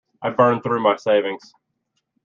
I burned through my savings.